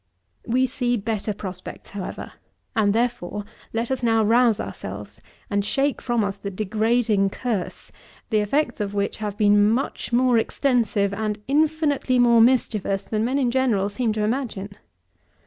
31. We see better prospects however, and therefore let us now rouse ourselves, and shake from us the degrading curse, the effects of which have been much more extensive and infinitely more mischievous than men in general seem to imagine.